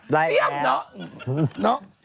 ได้แล้ว